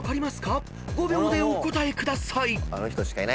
［５秒でお答えください］